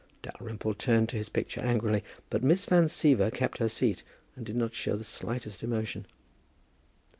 Dalrymple turned to his picture angrily, but Miss Van Siever kept her seat and did not show the slightest emotion.